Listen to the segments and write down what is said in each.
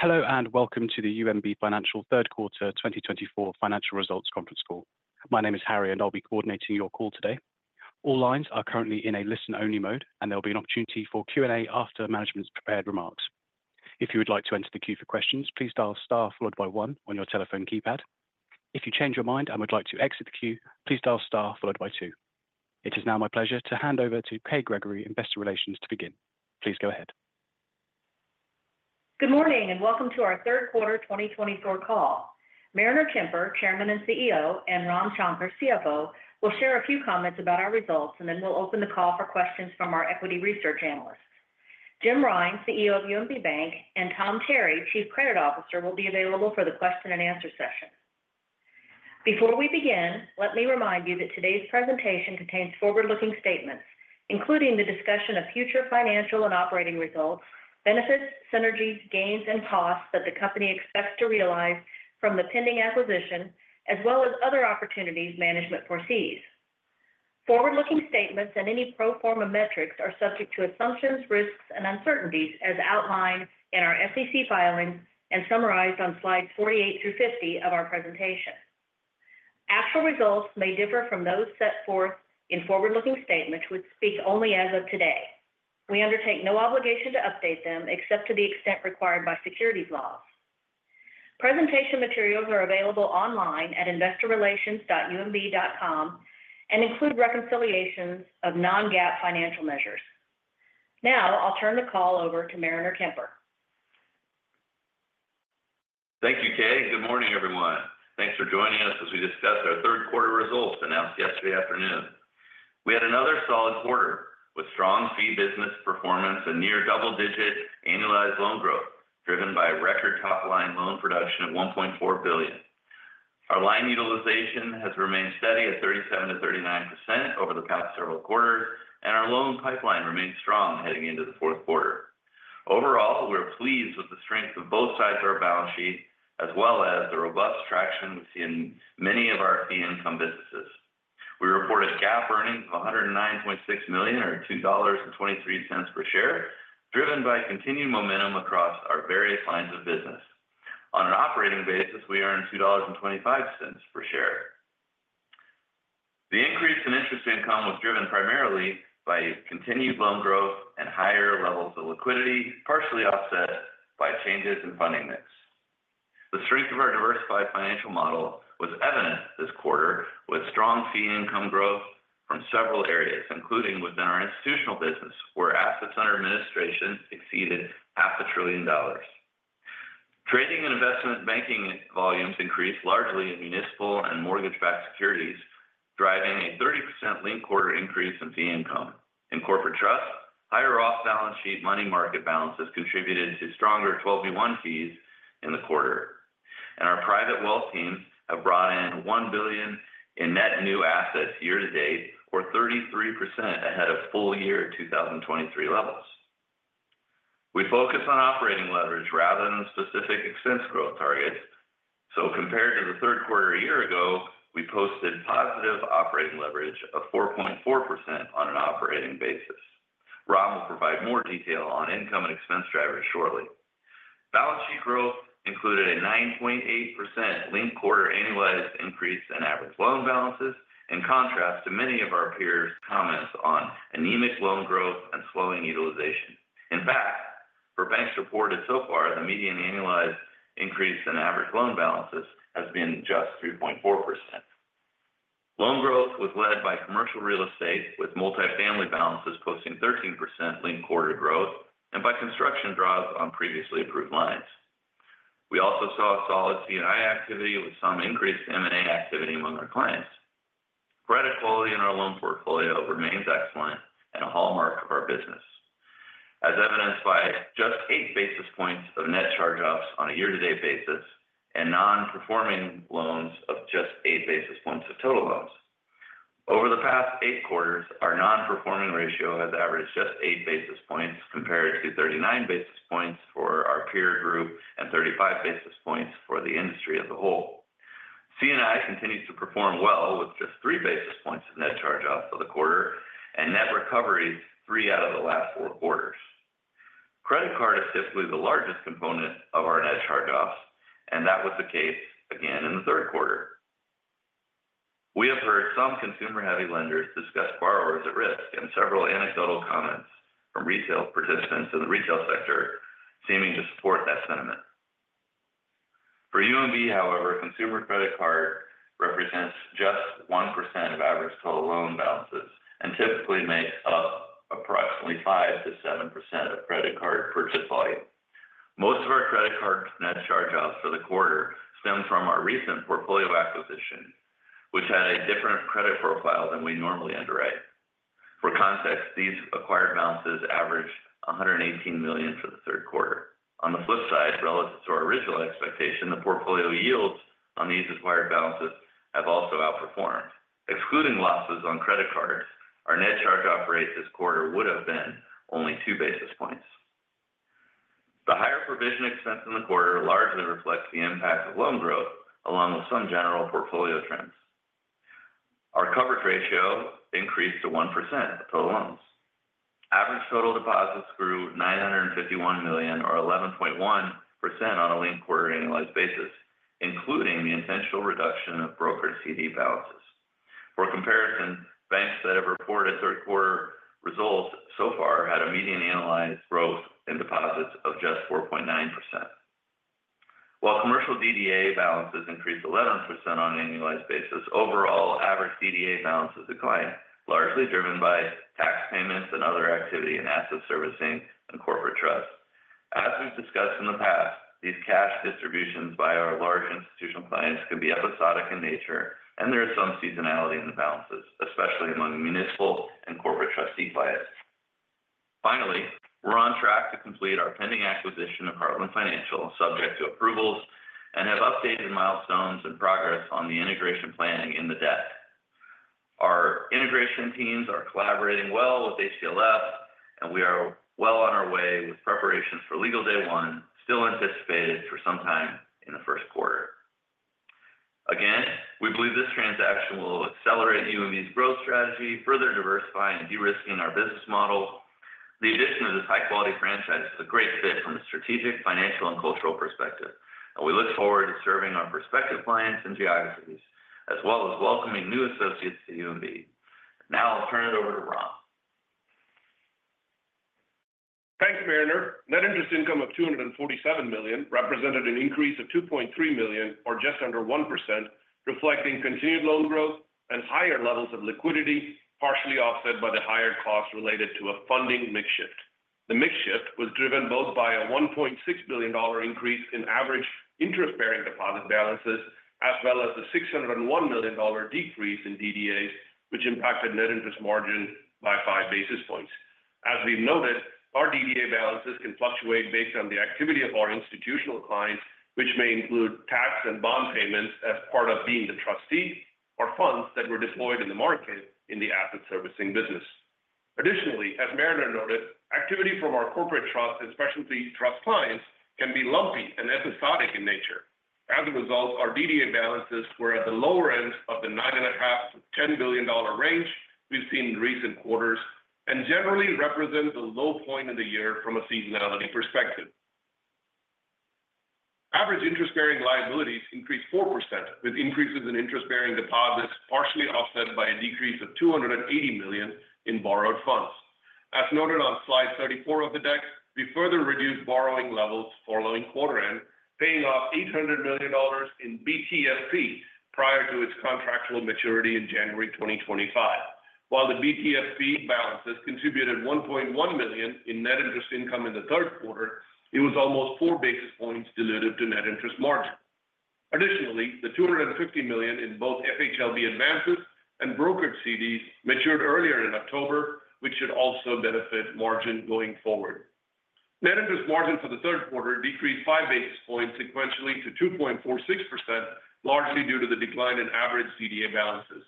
Hello and welcome to the UMB Financial Q3 2024 Financial Results Conference Call. My name is Harry, and I'll be coordinating your call today. All lines are currently in a listen-only mode, and there'll be an opportunity for Q&A after management's prepared remarks. If you would like to enter the queue for questions, please dial STAR followed by 1 on your telephone keypad. If you change your mind and would like to exit the queue, please dial STAR followed by 2. It is now my pleasure to hand over to Kay Gregory in Investor Relations to begin. Please go ahead. Good morning and welcome to our Q3 2024 call. Mariner Kemper, Chairman and CEO, and Ram Shankar, CFO, will share a few comments about our results, and then we'll open the call for questions from our equity research analysts. Jim Rine, CEO of UMB Bank, and Tom Terry, Chief Credit Officer, will be available for the Q&A session. Before we begin, let me remind you that today's presentation contains forward-looking statements, including the discussion of future financial and operating results, benefits, synergies, gains, and costs that the company expects to realize from the pending acquisition, as well as other opportunities management foresees. Forward-looking statements and any pro forma metrics are subject to assumptions, risks, and uncertainties, as outlined in our SEC filings and summarized on Slides 48 through 50 of our presentation. Actual results may differ from those set forth in forward-looking statements, which speak only as of today. We undertake no obligation to update them except to the extent required by securities laws. Presentation materials are available online at investorrelations.umb.com and include reconciliations of non-GAAP financial measures. Now I'll turn the call over to Mariner Kemper. Thank you, Kay. Good morning, everyone. Thanks for joining us as we discuss our Q3 results announced yesterday afternoon. We had another solid quarter with strong fee business performance and near double-digit annualized loan growth driven by record top-line loan production at $1.4 billion. Our line utilization has remained steady at 37%-39% over the past several quarters, and our loan pipeline remains strong heading into the Q4. Overall, we're pleased with the strength of both sides of our balance sheet, as well as the robust traction we see in many of our fee-income businesses. We reported GAAP earnings of $109.6 million, or $2.23 per share, driven by continued momentum across our various lines of business. On an operating basis, we earned $2.25 per share. The increase in interest income was driven primarily by continued loan growth and higher levels of liquidity, partially offset by changes in funding mix. The strength of our diversified financial model was evident this quarter, with strong fee income growth from several areas, including within our institutional business, where assets under administration exceeded $500 billion. Trading and investment banking volumes increased largely in municipal and mortgage-backed securities, driving a 30% linked-quarter increase in fee income. In corporate trusts, higher off-balance sheet money market balances contributed to stronger 12b-1 fees in the quarter, and our private wealth teams have brought in $1 billion in net new assets year to date, or 33% ahead of full year 2023 levels. We focus on operating leverage rather than specific expense growth targets, so compared to the Q3 a year ago, we posted positive operating leverage of 4.4% on an operating basis. Ram will provide more detail on income and expense drivers shortly. Balance sheet growth included a 9.8% linked quarter annualized increase in average loan balances, in contrast to many of our peers' comments on anemic loan growth and slowing utilization. In fact, for banks reported so far, the median annualized increase in average loan balances has been just 3.4%. Loan growth was led by commercial real estate, with multifamily balances posting 13% linked quarter growth and by construction draws on previously approved lines. We also saw solid C&I activity, with some increased M&A activity among our clients. Credit quality in our loan portfolio remains excellent and a hallmark of our business, as evidenced by just eight basis points of net charge-offs on a year-to-date basis and non-performing loans of just eight basis points of total loans. Over the past eight quarters, our non-performing ratio has averaged just eight basis points compared to 39 basis points for our peer group and 35 basis points for the industry as a whole. C&I continues to perform well, with just three basis points of net charge-offs for the quarter and net recoveries three out of the last four quarters. Credit card is typically the largest component of our net charge-offs, and that was the case again in the Q3. We have heard some consumer-heavy lenders discuss borrowers at risk and several anecdotal comments from retail participants in the retail sector seeming to support that sentiment. For UMB, however, consumer credit card represents just 1% of average total loan balances and typically makes up approximately 5%-7% of credit card purchase volume. Most of our credit card net charge-offs for the quarter stem from our recent portfolio acquisition, which had a different credit profile than we normally underwrite. For context, these acquired balances averaged $118 million for the Q3. On the flip side, relative to our original expectation, the portfolio yields on these acquired balances have also outperformed. Excluding losses on credit cards, our net charge-off rate this quarter would have been only two basis points. The higher provision expense in the quarter largely reflects the impact of loan growth, along with some general portfolio trends. Our coverage ratio increased to 1% of total loans. Average total deposits grew $951 million, or 11.1% on a linked quarter annualized basis, including the intentional reduction of brokered CD balances. For comparison, banks that have reported Q3 results so far had a median annualized growth in deposits of just 4.9%. While commercial DDA balances increased 11% on an annualized basis, overall average DDA balances declined, largely driven by tax payments and other activity in asset servicing and corporate trusts. As we've discussed in the past, these cash distributions by our large institutional clients can be episodic in nature, and there is some seasonality in the balances, especially among municipal and corporate trustee clients. Finally, we're on track to complete our pending acquisition of Heartland Financial, subject to approvals, and have updated milestones and progress on the integration planning in the deck. Our integration teams are collaborating well with HTLF, and we are well on our way with preparations for legal day one, still anticipated for some time in the Q1. Again, we believe this transaction will accelerate UMB's growth strategy, further diversifying and de-risking our business model. The addition of this high-quality franchise is a great fit from a strategic, financial, and cultural perspective, and we look forward to serving our prospective clients and geographies, as well as welcoming new associates to UMB. Now I'll turn it over to Ram. Thanks, Mariner. Net interest income of $247 million represented an increase of $2.3 million, or just under 1%, reflecting continued loan growth and higher levels of liquidity, partially offset by the higher costs related to a funding mix shift. The mix shift was driven both by a $1.6 billion increase in average interest-bearing deposit balances, as well as the $601 million decrease in DDAs, which impacted net interest margin by five basis points. As we've noted, our DDA balances can fluctuate based on the activity of our institutional clients, which may include tax and bond payments as part of being the trustee, or funds that were deployed in the market in the asset servicing business. Additionally, as Mariner noted, activity from our corporate trust and specialty trust clients can be lumpy and episodic in nature. As a result, our DDA balances were at the lower end of the $9.5-$10 billion range we've seen in recent quarters and generally represent the low point of the year from a seasonality perspective. Average interest-bearing liabilities increased 4%, with increases in interest-bearing deposits partially offset by a decrease of $280 million in borrowed funds. As noted on Slide 34 of the deck, we further reduced borrowing levels following quarter-end, paying off $800 million in BTFP prior to its contractual maturity in January 2025. While the BTFP balances contributed $1.1 million in net interest income in the Q3, it was almost four basis points diluted to net interest margin. Additionally, the $250 million in both FHLB advances and brokered CDs matured earlier in October, which should also benefit margin going forward. Net interest margin for the Q3 decreased five basis points sequentially to 2.46%, largely due to the decline in average DDA balances.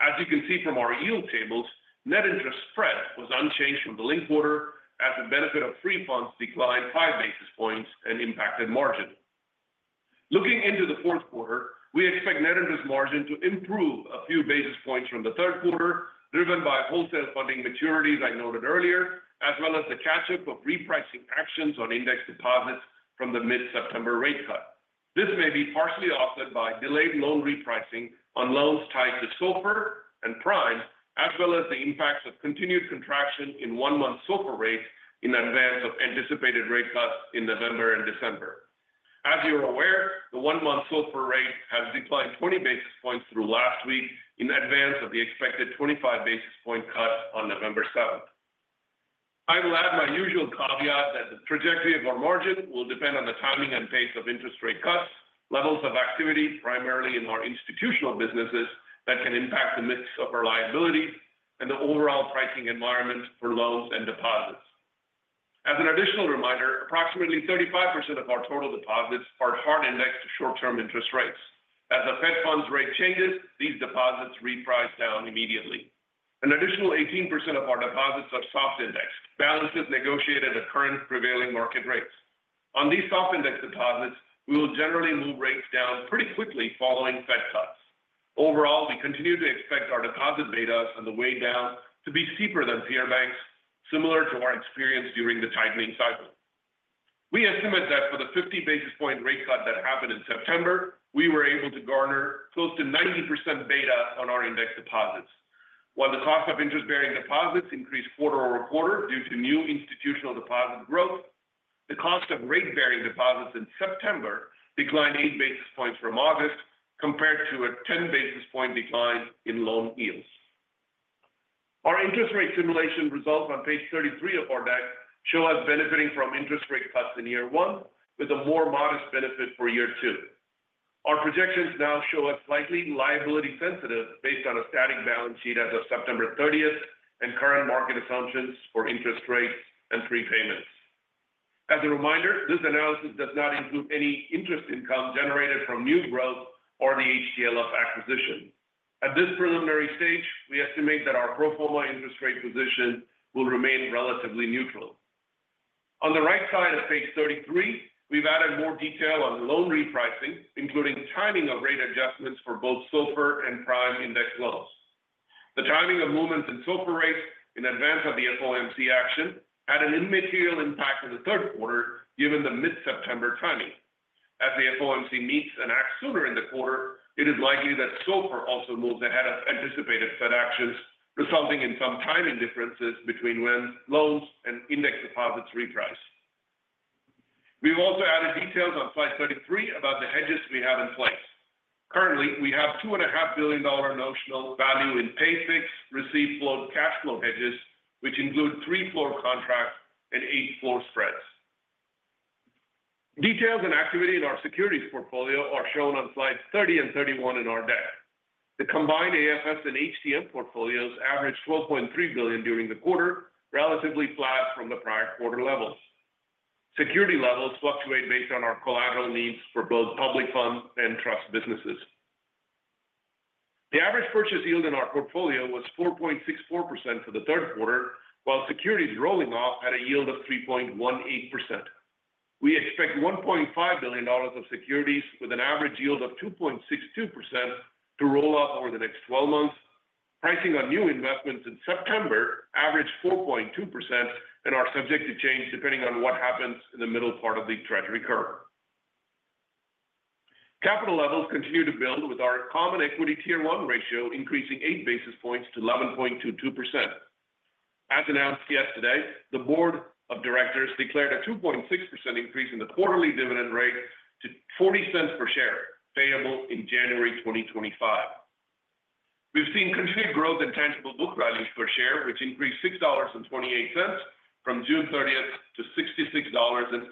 As you can see from our yield tables, net interest spread was unchanged from the linked quarter, as the benefit of free funds declined five basis points and impacted margin. Looking into the Q4, we expect net interest margin to improve a few basis points from the Q3, driven by wholesale funding maturities I noted earlier, as well as the catch-up of repricing actions on index deposits from the mid-September rate cut. This may be partially offset by delayed loan repricing on loans tied to SOFR and prime, as well as the impacts of continued contraction in one-month SOFR rates in advance of anticipated rate cuts in November and December. As you're aware, the one-month SOFR rate has declined 20 basis points through last week in advance of the expected 25 basis point cut on November 7th. I will add my usual caveat that the trajectory of our margin will depend on the timing and pace of interest rate cuts, levels of activity primarily in our institutional businesses that can impact the mix of our liabilities and the overall pricing environment for loans and deposits. As an additional reminder, approximately 35% of our total deposits are hard-indexed to short-term interest rates. As the Fed funds rate changes, these deposits reprice down immediately. An additional 18% of our deposits are soft-indexed, balances negotiated at current prevailing market rates. On these soft-index deposits, we will generally move rates down pretty quickly following Fed cuts. Overall, we continue to expect our deposit betas on the way down to be steeper than peer banks, similar to our experience during the tightening cycle. We estimate that for the 50 basis point rate cut that happened in September, we were able to garner close to 90% beta on our index deposits. While the cost of interest-bearing deposits increased quarter over quarter due to new institutional deposit growth, the cost of rate-bearing deposits in September declined eight basis points from August, compared to a 10 basis point decline in loan yields. Our interest rate simulation results on page 33 of our deck show us benefiting from interest rate cuts in year one, with a more modest benefit for year two. Our projections now show us slightly liability-sensitive based on a static balance sheet as of September 30th and current market assumptions for interest rates and prepayments. As a reminder, this analysis does not include any interest income generated from new growth or the HCLF acquisition. At this preliminary stage, we estimate that our pro forma interest rate position will remain relatively neutral. On the right side of page 33, we've added more detail on loan repricing, including timing of rate adjustments for both SOFR and prime index loans. The timing of movements in SOFR rates in advance of the FOMC action had an immaterial impact in the Q3, given the mid-September timing. As the FOMC meets and acts sooner in the quarter, it is likely that SOFR also moves ahead of anticipated Fed actions, resulting in some timing differences between when loans and index deposits reprice. We've also added details on Slide 33 about the hedges we have in place. Currently, we have $2.5 billion notional value in pay fixed receipt float cash flow hedges, which include three-floor contracts and eight-floor spreads. Details and activity in our securities portfolio are shown on Slides 30 and 31 in our deck. The combined AFS and HTM portfolios averaged $12.3 billion during the quarter, relatively flat from the prior quarter levels. Security levels fluctuate based on our collateral needs for both public funds and trust businesses. The average purchase yield in our portfolio was 4.64% for the Q3, while securities rolling off had a yield of 3.18%. We expect $1.5 billion of securities with an average yield of 2.62% to roll off over the next 12 months. Pricing on new investments in September averaged 4.2% and are subject to change depending on what happens in the middle part of the treasury curve. Capital levels continue to build, with our Common Equity Tier 1 ratio increasing eight basis points to 11.22%. As announced yesterday, the board of directors declared a 2.6% increase in the quarterly dividend rate to $0.40 per share, payable in January 2025. We've seen continued growth in Tangible Book Value per share, which increased $6.28 from June 30th to $66.86.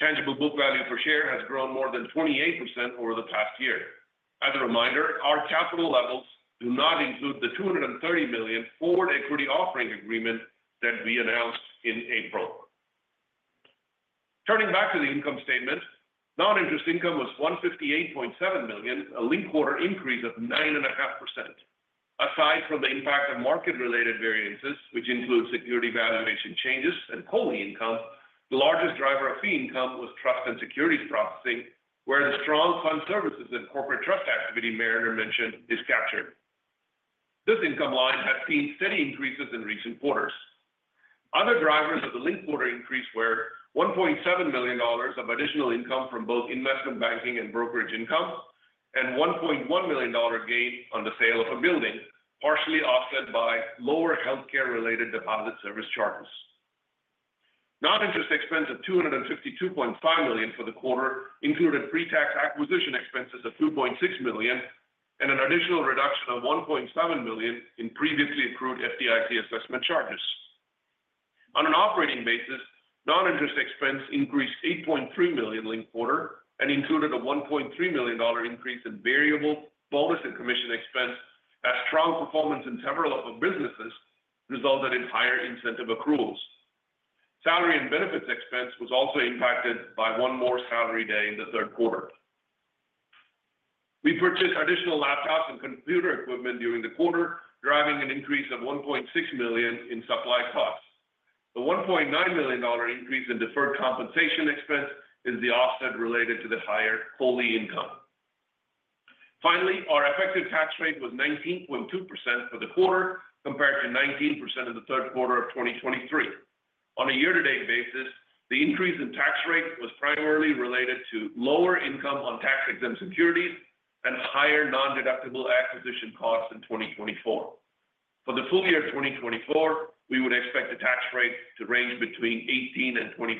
Tangible Book Value per share has grown more than 28% over the past year. As a reminder, our capital levels do not include the $230 million forward equity offering agreement that we announced in April. Turning back to the income statement, non-interest income was $158.7 million, a linked-quarter increase of 9.5%. Aside from the impact of market-related variances, which include security valuation changes and BOLI income, the largest driver of fee income was trust and securities processing, where the strong fund services and corporate trust activity Mariner mentioned is captured. This income line has seen steady increases in recent quarters. Other drivers of the linked quarter increase were $1.7 million of additional income from both investment banking and brokerage income, and $1.1 million gain on the sale of a building, partially offset by lower healthcare-related deposit service charges. Non-interest expense of $252.5 million for the quarter included pre-tax acquisition expenses of $2.6 million and an additional reduction of $1.7 million in previously accrued FDIC assessment charges. On an operating basis, non-interest expense increased $8.3 million linked quarter and included a $1.3 million increase in variable bonus and commission expense, as strong performance in several of the businesses resulted in higher incentive accruals. Salary and benefits expense was also impacted by one more salary day in the Q3. We purchased additional laptops and computer equipment during the quarter, driving an increase of $1.6 million in supply costs. The $1.9 million increase in deferred compensation expense is the offset related to the higher BOLI income. Finally, our effective tax rate was 19.2% for the quarter, compared to 19% in the Q3 of 2023. On a year-to-date basis, the increase in tax rate was primarily related to lower income on tax-exempt securities and higher non-deductible acquisition costs in 2024. For the full year 2024, we would expect the tax rate to range between 18% and 20%.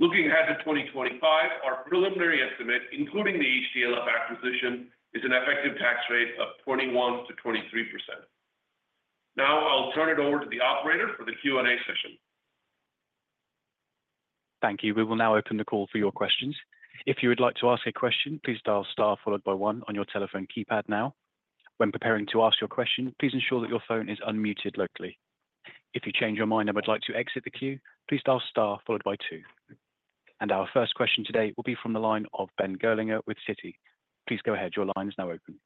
Looking ahead to 2025, our preliminary estimate, including the HTLF acquisition, is an effective tax rate of 21%-23%. Now I'll turn it over to the operator for the Q&A session. Thank you. We will now open the call for your questions. If you would like to ask a question, please dial STAR followed by 1 on your telephone keypad now. When preparing to ask your question, please ensure that your phone is unmuted locally. If you change your mind and would like to exit the queue, please dial STAR followed by 2. And our first question today will be from the line of Ben Gerlinger with Citi. Please go ahead. Your line is now open.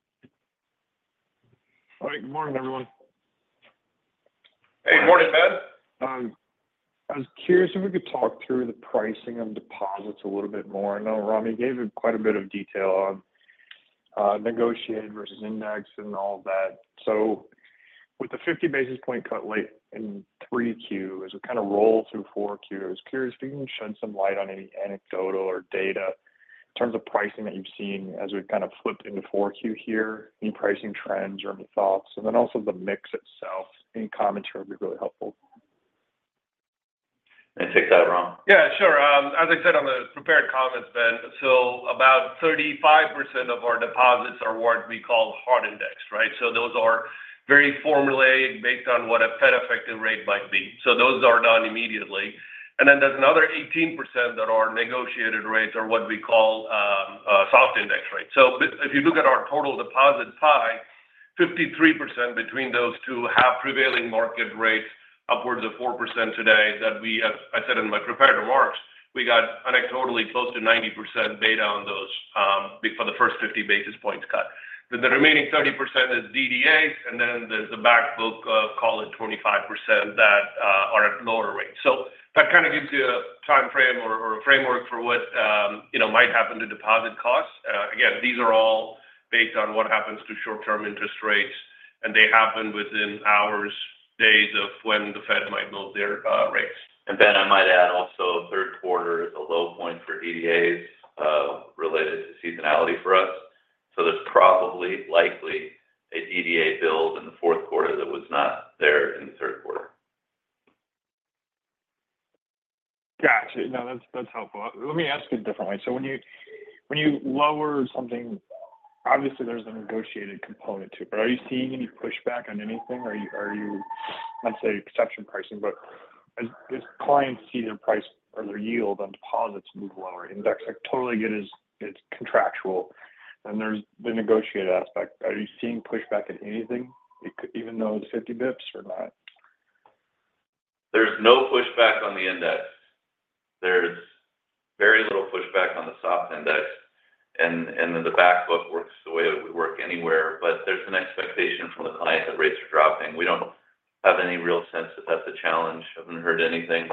All right. Good morning, everyone. Hey, good morning, Ben. I was curious if we could talk through the pricing of deposits a little bit more. I know Ram gave quite a bit of detail on negotiated versus index and all that. So with the 50 basis points cut late in 3Q, as we roll through 4Q, I was curious if you can shed some light on any anecdotal or data in terms of pricing that you've seen as we've flipped into 4Q here, any pricing trends or any thoughts, and then also the mix itself. Any commentary would be really helpful. I take that, Ram. Sure. As I said on the prepared comments, Ben, so about 35% of our deposits are what we call hard index, right? So those are very formulaic based on what a Fed effective rate might be. So those are done immediately. And then there's another 18% that are negotiated rates or what we call soft index rates. So if you look at our total deposit pie, 53% between those two have prevailing market rates upwards of 4% today that we, as I said in my prepared remarks, we got anecdotally close to 90% beta on those for the first 50 basis points cut. Then the remaining 30% is DDAs, and then there's a backbook of call it 25% that are at lower rates. So that gives you a timeframe or a framework for what might happen to deposit costs. Again, these are all based on what happens to short-term interest rates, and they happen within hours, days of when the Fed might move their rates. Ben, I might add also Q3 is a low point for DDAs related to seasonality for us. There's probably likely a DDA build in the Q4 that was not there in the Q3. Gotcha. No, that's helpful. Let me ask it differently. So when you lower something, obviously there's a negotiated component to it, but are you seeing any pushback on anything? Are you, let's say, exception pricing, but as clients see their price or their yield on deposits move lower, indeed I totally get it's contractual, and there's the negotiated aspect. Are you seeing pushback on anything, even though it's 50 basis points or not? There's no pushback on the index. There's very little pushback on the soft index, and then the backbook works the way it would work anywhere, but there's an expectation from the client that rates are dropping. We don't have any real sense that that's a challenge. I haven't heard anything.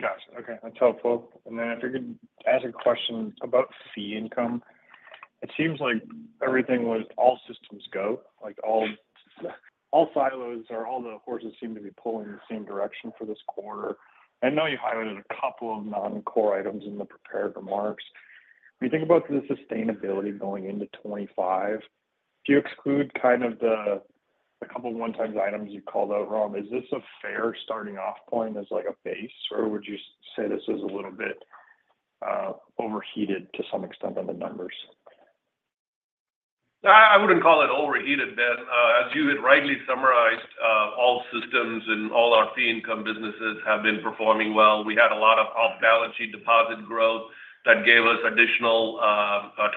Gotcha. Okay. That's helpful. And then if you could ask a question about fee income, it seems like everything was all systems go. All silos or all the horses seem to be pulling in the same direction for this quarter. And I know you highlighted a couple of non-core items in the prepared remarks. When you think about the sustainability going into 2025, if you exclude the couple of one-time items you called out, Ram, is this a fair starting off point as a base, or would you say this is a little bit overheated to some extent on the numbers? I wouldn't call it overheated, Ben. As you had rightly summarized, all systems and all our fee income businesses have been performing well. We had a lot of off-balance sheet deposit growth that gave us additional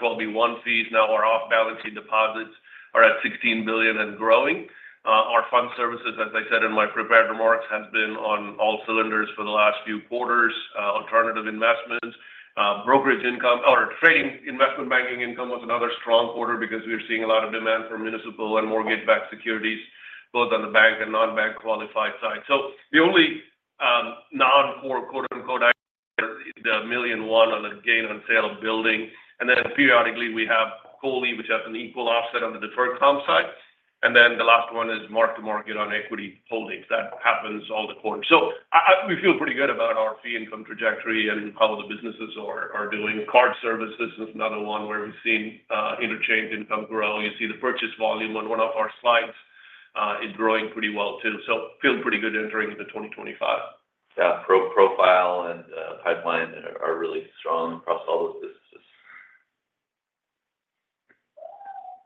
12b-1 fees. Now our off-balance sheet deposits are at $16 billion and growing. Our fund services, as I said in my prepared remarks, have been on all cylinders for the last few quarters. Alternative investments, brokerage income, or trading investment banking income was another strong quarter because we were seeing a lot of demand for municipal and mortgage-backed securities, both on the bank and non-bank qualified side. So the only non-core quote-unquote item is the $1 million one on the gain on sale of building, and then periodically we have BOLI, which has an equal offset on the deferred comp side, and then the last one is mark-to-market on equity holdings. That happens all the quarters. So we feel pretty good about our fee income trajectory and how the businesses are doing. Card services is another one where we've seen interchange income grow. You see the purchase volume on one of our slides is growing pretty well too. So feel pretty good entering into 2025. Growth profile and pipeline are really strong across all those businesses.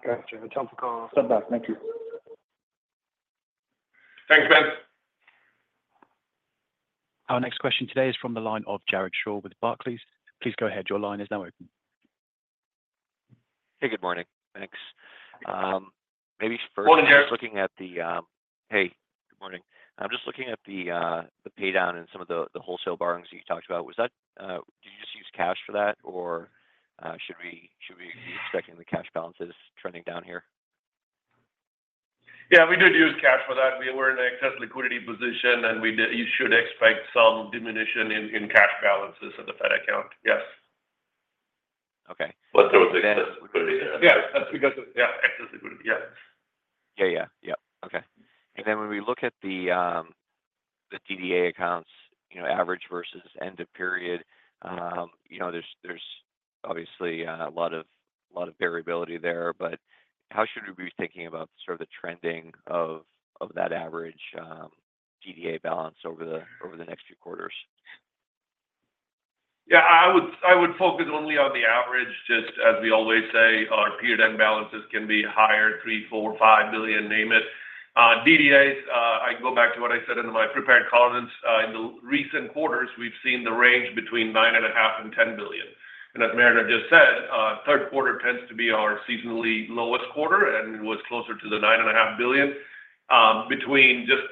Gotcha. That's helpful. Thank you. Thanks, Ben. Our next question today is from the line of Jared Shaw with Barclays. Please go ahead. Your line is now open. Hey, good morning. Thanks. Maybe first, I'm just looking at the paydown and some of the wholesale borrowings that you talked about. Did you just use cash for that, or should we be expecting the cash balances trending down here? We did use cash for that. We were in an excess liquidity position, and you should expect some diminution in cash balances in the Fed account. Yes. Okay. But there was excess liquidity there. Excess liquidity. Okay. And then when we look at the DDA accounts, average versus end of period, there's obviously a lot of variability there, but how should we be thinking about the trending of that average DDA balance over the next few quarters? I would focus only on the average, just as we always say. Our period end balances can be higher, three, four, five billion, name it. DDAs, I go back to what I said in my prepared comments. In the recent quarters, we've seen the range between $9.5 billion and $10 billion. And as Mariner just said, Q3 tends to be our seasonally lowest quarter and was closer to the $9.5 billion between just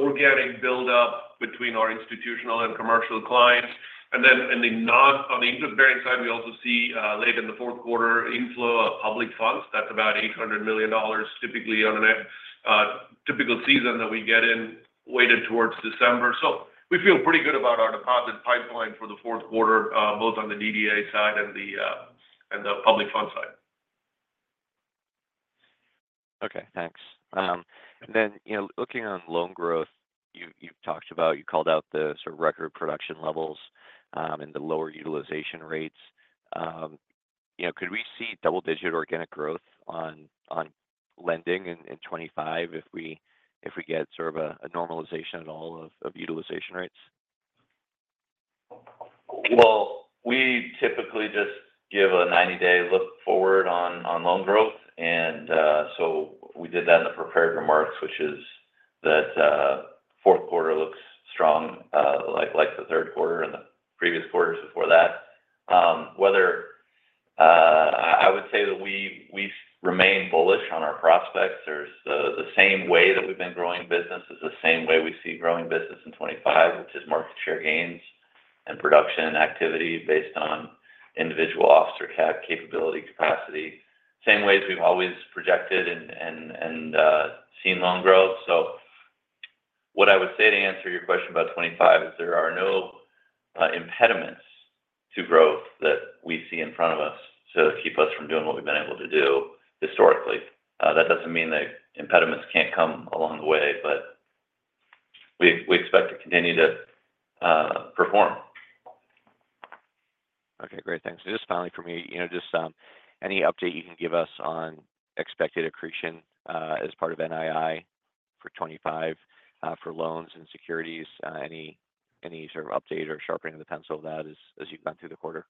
organic buildup between our institutional and commercial clients. And then on the interest bearing side, we also see late in the Q4 inflow of public funds. That's about $800 million typically on a typical season that we get in, weighted towards December. So we feel pretty good about our deposit pipeline for the Q4, both on the DDA side and the public fund side. Okay. Thanks. And then looking on loan growth, you've talked about you called out the record production levels and the lower utilization rates. Could we see double-digit organic growth on lending in 2025 if we get a normalization at all of utilization rates? We typically just give a 90-day look forward on loan growth. We did that in the prepared remarks, which is that Q4 looks strong like the Q3 and the previous quarters before that. I would say that we remain bullish on our prospects. The same way that we've been growing business is the same way we see growing business in 2025, which is market share gains and production activity based on individual officer capability capacity. Same way as we've always projected and seen loan growth. What I would say to answer your question about 2025 is there are no impediments to growth that we see in front of us to keep us from doing what we've been able to do historically. That doesn't mean that impediments can't come along the way, but we expect to continue to perform. Okay. Great. Thanks. Just finally for me, just any update you can give us on expected accretion as part of NII for 2025 for loans and securities? Any update or sharpening of the pencil of that as you've gone through the quarter?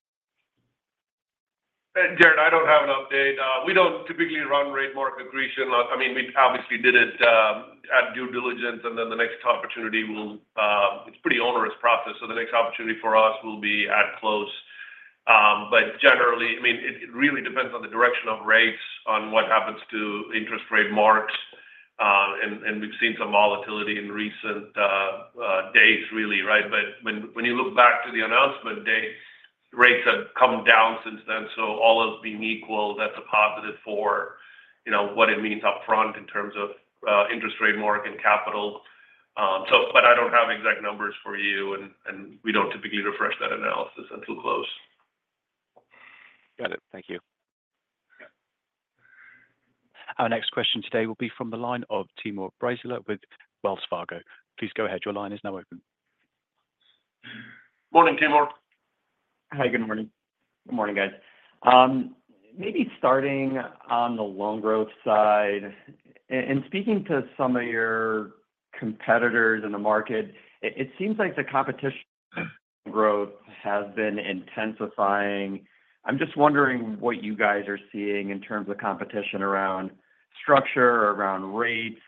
Jared, I don't have an update. We don't typically run rate mark accretion. I mean, we obviously did it at due diligence, and then the next opportunity will. It's a pretty onerous process. So the next opportunity for us will be at close. But generally, I mean, it really depends on the direction of rates on what happens to interest rate marks. And we've seen some volatility in recent days, really, right? But when you look back to the announcement date, rates have come down since then. So all else being equal, that's a positive for what it means upfront in terms of interest rate mark and capital. But I don't have exact numbers for you, and we don't typically refresh that analysis until close. Got it. Thank you. Our next question today will be from the line of Timur Braziler with Wells Fargo. Please go ahead. Your line is now open. Morning, Timur. Hi. Good morning. Good morning, guys. Maybe starting on the loan growth side, in speaking to some of your competitors in the market, it seems like the competition growth has been intensifying. I'm just wondering what you guys are seeing in terms of competition around structure, around rates.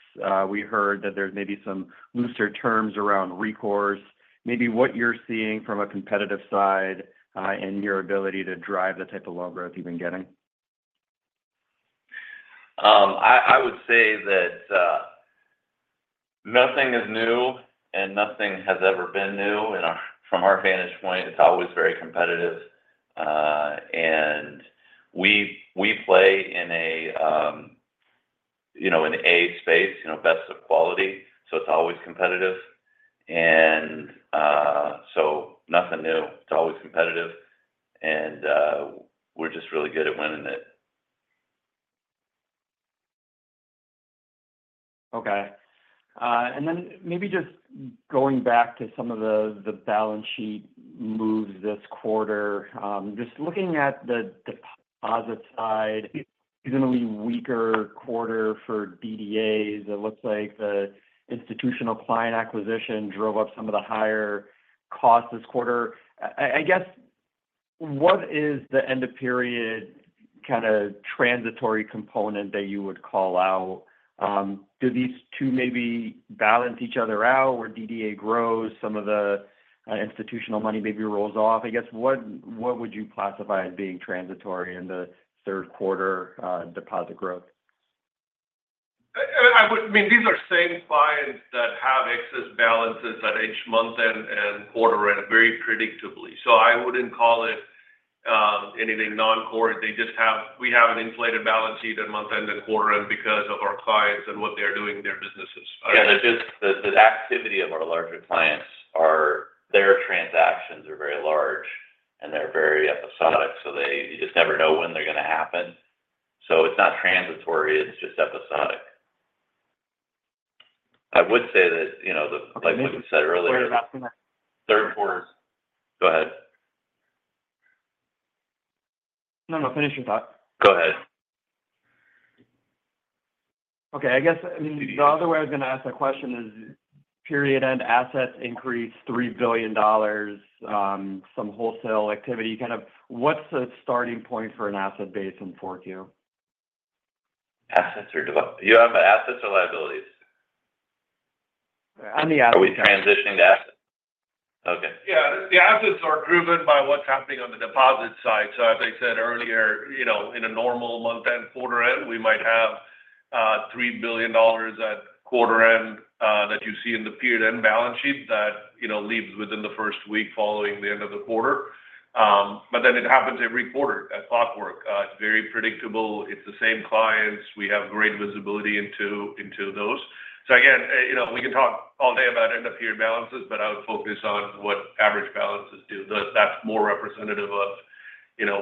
We heard that there's maybe some looser terms around recourse. Maybe what you're seeing from a competitive side and your ability to drive the type of loan growth you've been getting? I would say that nothing is new, and nothing has ever been new. From our vantage point, it's always very competitive and we play in an A space, best of quality, so it's always competitive and so nothing new. It's always competitive, and we're just really good at winning it. Okay. And then maybe just going back to some of the balance sheet moves this quarter, just looking at the deposit side, seasonally weaker quarter for DDAs. It looks like the institutional client acquisition drove up some of the higher costs this quarter. What is the end of period transitory component that you would call out? Do these two maybe balance each other out where DDA grows, some of the institutional money maybe rolls off? What would you classify as being transitory in the Q3 deposit growth? I mean, these are the same clients that have excess balances at each month and quarter and very predictably, so I wouldn't call it anything non-core. We have an inflated balance sheet at month end and quarter end because of our clients and what they're doing in their businesses. The activity of our larger clients, their transactions are very large, and they're very episodic. So you just never know when they're going to happen. So it's not transitory. It's just episodic. I would say that, like what you said earlier. Where is that? Q3. Go ahead. No, no. Finish your thought. Go ahead. Okay. The other way I was going to ask that question is period-end assets increase $3 billion, some wholesale activity. What's the starting point for an asset base in future? Assets or debits? You have assets or liabilities? On the assets. Are we transitioning to assets? Okay. The assets are driven by what's happening on the deposit side. So as I said earlier, in a normal month-end quarter end, we might have $3 billion at quarter end that you see in the period-end balance sheet that leaves within the first week following the end of the quarter. But then it happens every quarter at clockwork. It's very predictable. It's the same clients. We have great visibility into those. So again, we can talk all day about end-of-period balances, but I would focus on what average balances do. That's more representative of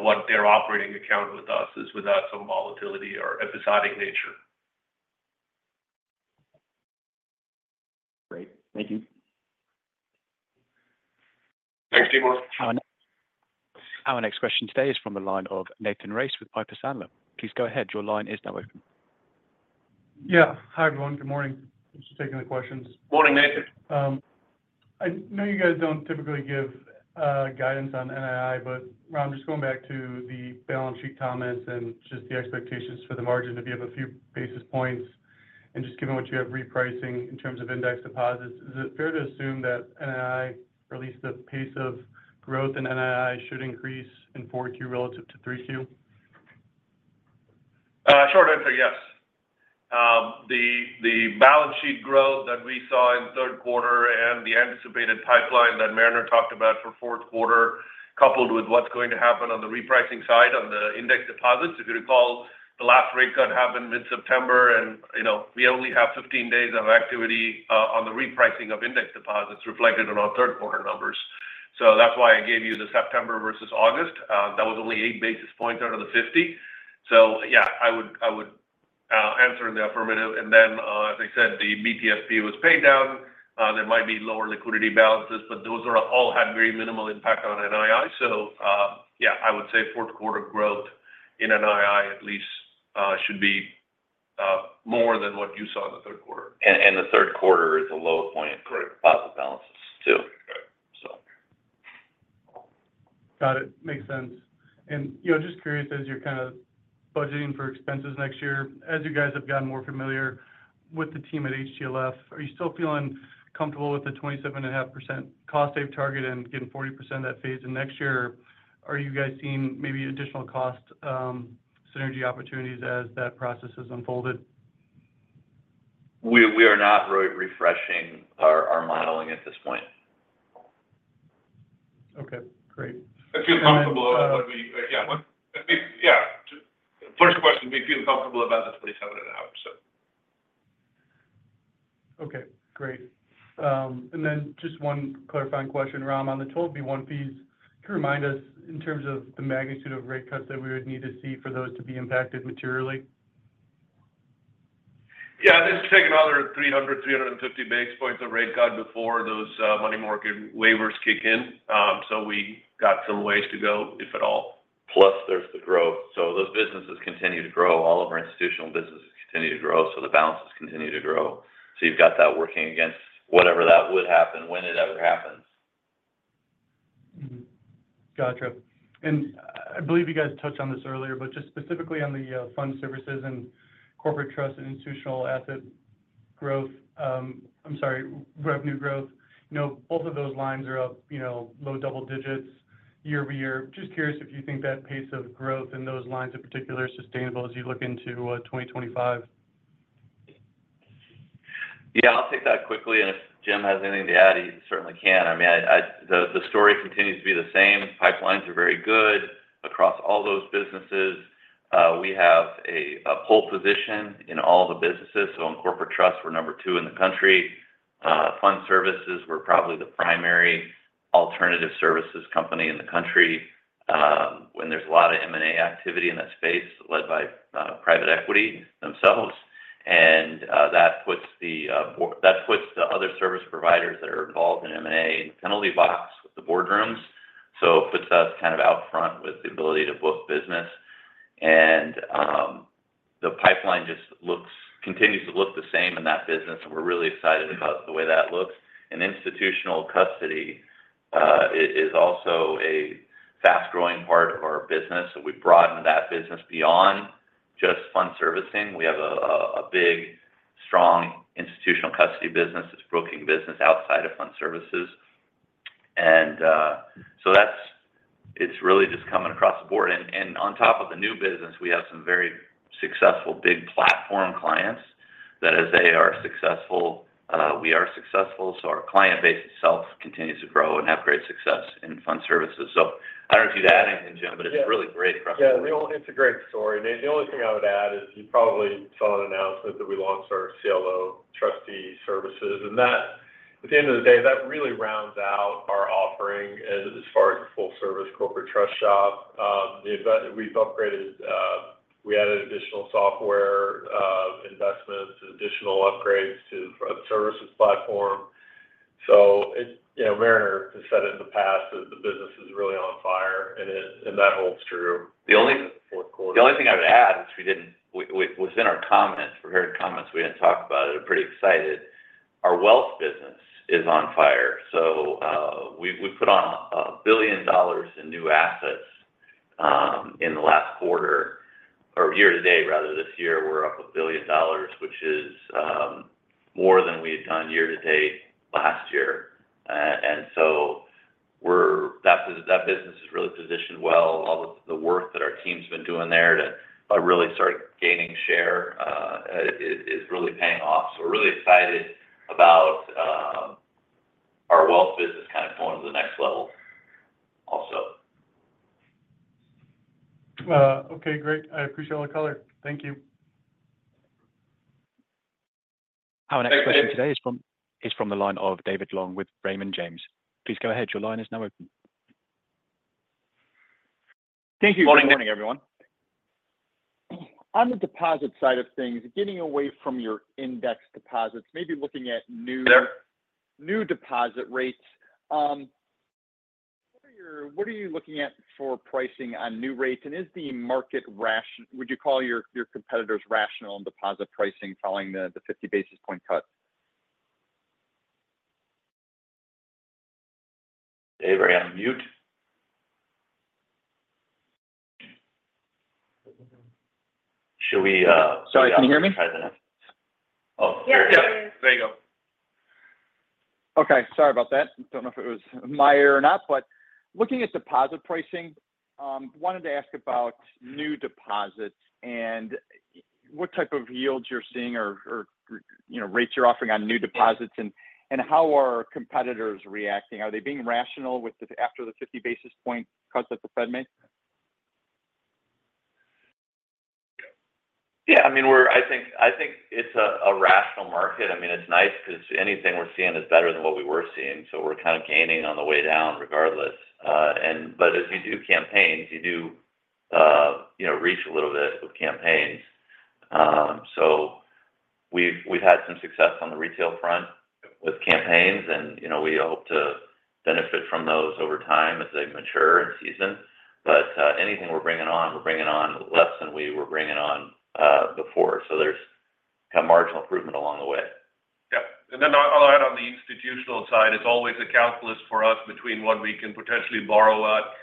what their operating account with us is without some volatility or episodic nature. Great. Thank you. Thanks, Timur. Our next question today is from the line of Nathan Race with Piper Sandler. Please go ahead. Your line is now open. Hi, everyone. Good morning. Thanks for taking the questions. Morning, Nathan. I know you guys don't typically give guidance on NII, but I'm just going back to the balance sheet comments and just the expectations for the margin to be up a few basis points, and just given what you have repricing in terms of index deposits, is it fair to assume that NII, or at least the pace of growth in NII, should increase in 4Q relative to 3Q? Short answer, yes. The balance sheet growth that we saw in Q3 and the anticipated pipeline that Mariner talked about for Q4, coupled with what's going to happen on the repricing side on the index deposits, if you recall, the last rate cut happened mid-September, and we only have 15 days of activity on the repricing of index deposits reflected in our Q3 numbers. So that's why I gave you the September versus August. That was only eight basis points out of the 50. So I would answer in the affirmative. And then, as I said, the BTFP was paid down. There might be lower liquidity balances, but those all had very minimal impact on NII. So I would say Q4 growth in NII at least should be more than what you saw in the Q3. The Q3 is a low point for deposit balances too, so. Got it. Makes sense. And just curious, as you're budgeting for expenses next year, as you guys have gotten more familiar with the team at HTLF, are you still feeling comfortable with the 27.5% cost savings target and getting 40% of that phased in next year? Are you guys seeing maybe additional cost synergy opportunities as that process has unfolded? We are not refreshing our modeling at this point. Okay. Great. I feel comfortable. First question, we feel comfortable about the 27.5%. Okay. Great. And then just one clarifying question, Ram, on the 12b-1 fees, can you remind us in terms of the magnitude of rate cuts that we would need to see for those to be impacted materially? This is taking another 300-350 basis points of rate cut before those money market waivers kick in. So we got some ways to go, if at all. Plus, there's the growth. So those businesses continue to grow. All of our institutional businesses continue to grow. So the balances continue to grow. So you've got that working against whatever that would happen, whenever that happens. Gotcha. And I believe you guys touched on this earlier, but just specifically on the fund services and corporate trust and institutional asset growth, I'm sorry, revenue growth. Both of those lines are up low double digits year over year. Just curious if you think that pace of growth in those lines in particular is sustainable as you look into 2025. I'll take that quickly. And if Jim has anything to add, he certainly can. I mean, the story continues to be the same. Pipelines are very good across all those businesses. We have a pole position in all the businesses. So in corporate trust, we're number two in the country. Fund services, we're probably the primary alternative services company in the country when there's a lot of M&A activity in that space led by private equity themselves. And that puts the other service providers that are involved in M&A in the penalty box with the boardrooms. So it puts us out front with the ability to book business. And the pipeline just continues to look the same in that business. And we're really excited about the way that looks. And institutional custody is also a fast-growing part of our business. We broadened that business beyond just fund servicing. We have a big, strong institutional custody business that's booking business outside of fund services. And so it's really just coming across the board. And on top of the new business, we have some very successful big platform clients that, as they are successful, we are successful. So our client base itself continues to grow and have great success in fund services. So I don't know if you'd add anything, Jim, but it's really great for us to be here. It's a great story. The only thing I would add is you probably saw an announcement that we launched our CLO trustee services, and at the end of the day, that really rounds out our offering as far as the full-service corporate trust shop. We added additional software investments, additional upgrades to the services platform, so Mariner has said it in the past that the business is really on fire, and that holds true in the Q4. The only thing I would add is within our comments, prepared comments, we didn't talk about it. I'm pretty excited. Our wealth business is on fire. So we put on $1 billion in new assets in the last quarter or year to date, rather, this year. We're up $1 billion, which is more than we had done year to date last year. And so that business is really positioned well. The work that our team's been doing there to really start gaining share is really paying off. So we're really excited about our wealth business going to the next level also. Okay. Great. I appreciate all the color. Thank you. Our next question today is from the line of David Long with Raymond James. Please go ahead. Your line is now open. Thank you. Morning, everyone. On the deposit side of things, getting away from your index deposits, maybe looking at new deposit rates, what are you looking at for pricing on new rates? And is the market, would you call your competitors, rational on deposit pricing following the 50 basis point cut? David, are you on mute? Should we? Sorry. Can you hear me? Oh, there you go. Okay. Sorry about that. I don't know if it was my ear or not, but looking at deposit pricing, wanted to ask about new deposits and what type of yields you're seeing or rates you're offering on new deposits and how are competitors reacting? Are they being rational after the 50 basis points cut that the Fed made? It's a rational market. I mean, it's nice because anything we're seeing is better than what we were seeing. So we're gaining on the way down regardless. But as you do campaigns, you do reach a little bit with campaigns. So we've had some success on the retail front with campaigns, and we hope to benefit from those over time as they mature in season. But anything we're bringing on, we're bringing on less than we were bringing on before. So there's marginal improvement along the way. And then I'll add on the institutional side, it's always a calculus for us between what we can potentially borrow out.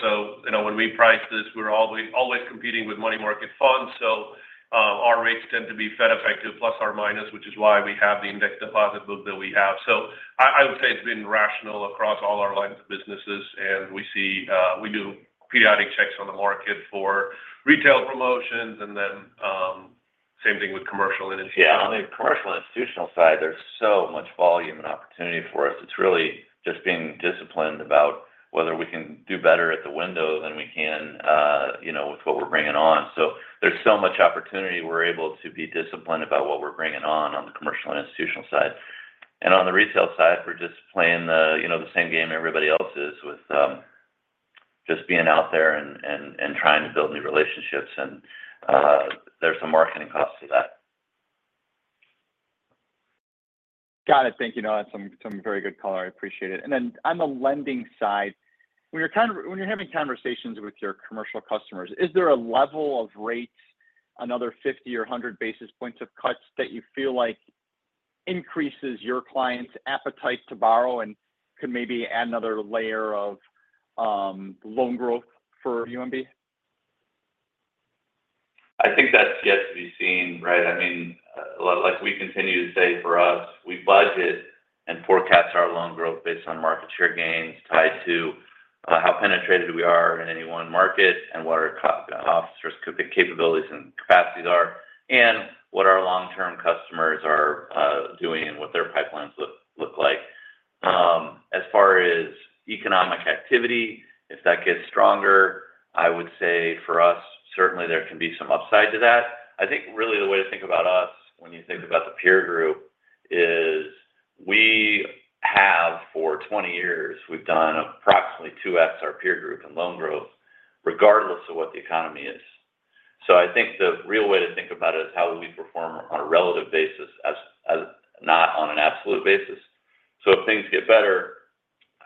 So when we price this, we're always competing with money market funds. So our rates tend to be Fed effective plus or minus, which is why we have the index deposit book that we have. So I would say it's been rational across all our lines of businesses. And we do periodic checks on the market for retail promotions and then same thing with commercial and institutional. On the commercial and institutional side, there's so much volume and opportunity for us. It's really just being disciplined about whether we can do better at the window than we can with what we're bringing on. So there's so much opportunity we're able to be disciplined about what we're bringing on on the commercial and institutional side. And on the retail side, we're just playing the same game everybody else is with just being out there and trying to build new relationships. And there's some marketing costs to that. Got it. Thank you. No, that's some very good color. I appreciate it. And then on the lending side, when you're having conversations with your commercial customers, is there a level of rates, another 50 or 100 basis points of cuts that you feel like increases your clients' appetite to borrow and could maybe add another layer of loan growth for UMB? I think that's yet to be seen, right? I mean, like we continue to say for us, we budget and forecast our loan growth based on market share gains tied to how penetrated we are in any one market and what our officers' capabilities and capacities are and what our long-term customers are doing and what their pipelines look like. As far as economic activity, if that gets stronger, I would say for us, certainly there can be some upside to that. I think really the way to think about us when you think about the peer group is we have for 20 years, we've done approximately 2X our peer group in loan growth regardless of what the economy is. So I think the real way to think about it is how we perform on a relative basis, not on an absolute basis. So if things get better,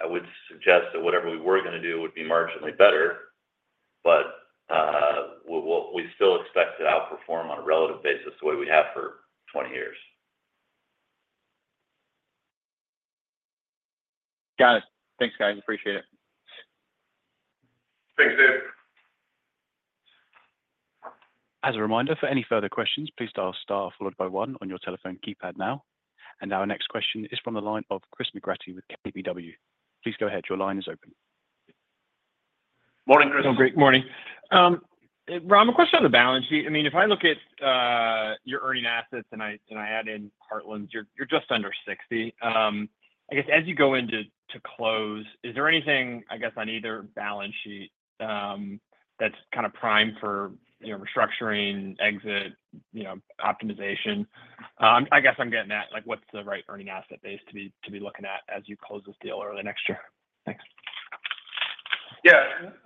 I would suggest that whatever we were going to do would be marginally better, but we still expect to outperform on a relative basis the way we have for 20 years. Got it. Thanks, guys. Appreciate it. Thanks, David. As a reminder, for any further questions, please dial STAR followed by 1 on your telephone keypad now. And our next question is from the line of Chris McGratty with KBW. Please go ahead. Your line is open. Morning, Chris. Oh, great. Morning. Ram, a question on the balance sheet. I mean, if I look at your earning assets and I add in Heartland's, you're just under 60. As you go into close, is there anything, on either balance sheet that's primed for restructuring, exit, optimization? I'm getting that. What's the right earning asset base to be looking at as you close this deal early next year? Thanks.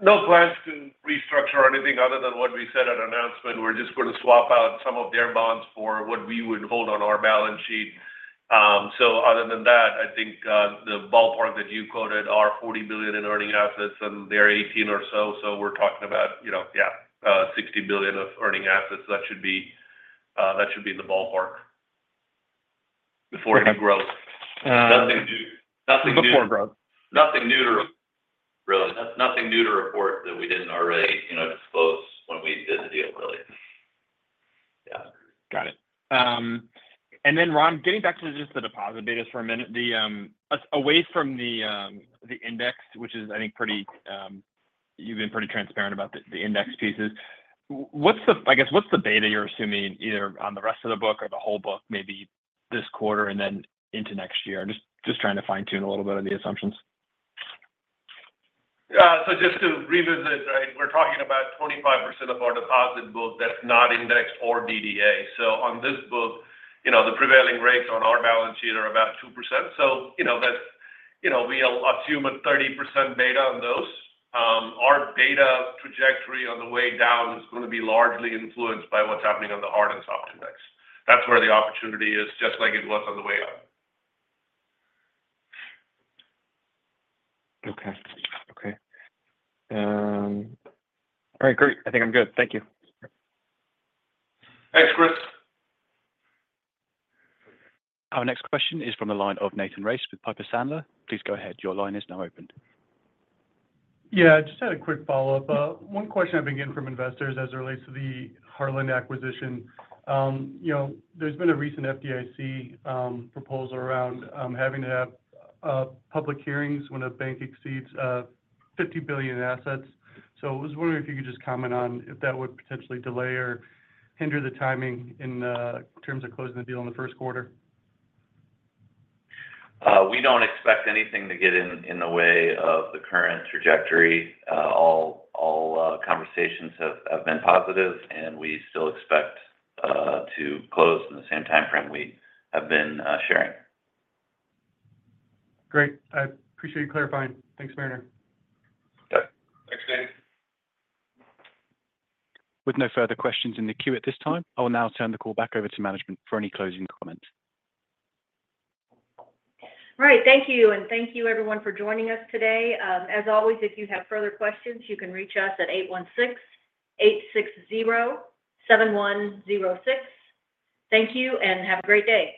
No plans to restructure anything other than what we said at announcement. We're just going to swap out some of their bonds for what we would hold on our balance sheet. So other than that, I think the ballpark that you quoted are $40 billion in earning assets and they're $18 billion or so. So we're talking about, $60 billion of earning assets. That should be in the ballpark before any growth. Nothing new. Nothing new. Before growth. Nothing new to report. Really. Nothing new to report that we didn't already disclose when we did the deal, really. Got it. And then, Ram, getting back to just the deposit data for a minute, away from the index, which is, I think, you've been pretty transparent about the index pieces, what's the data you're assuming either on the rest of the book or the whole book, maybe this quarter and then into next year? Just trying to fine-tune a little bit of the assumptions. So just to revisit, right, we're talking about 25% of our deposit book that's not indexed or DDA. So on this book, the prevailing rates on our balance sheet are about 2%. So we'll assume a 30% beta on those. Our beta trajectory on the way down is going to be largely influenced by what's happening on the hard index. That's where the opportunity is, just like it was on the way up. Okay. Okay. All right. Great. I think I'm good. Thank you. Thanks, Chris. Our next question is from the line of Nathan Race with Piper Sandler. Please go ahead. Your line is now open. Just had a quick follow-up. One question I've been getting from investors as it relates to the Heartland acquisition. There's been a recent FDIC proposal around having to have public hearings when a bank exceeds $50 billion in assets. So I was wondering if you could just comment on if that would potentially delay or hinder the timing in terms of closing the deal in the Q1. We don't expect anything to get in the way of the current trajectory. All conversations have been positive, and we still expect to close in the same timeframe we have been sharing. Great. I appreciate you clarifying. Thanks, Mariner. Thanks, David. With no further questions in the queue at this time, I will now turn the call back over to management for any closing comments. All right. Thank you. And thank you, everyone, for joining us today. As always, if you have further questions, you can reach us at 816-860-7106. Thank you, and have a great day.